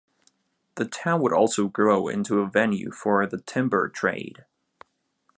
The town would also grow into a venue for the timber trade.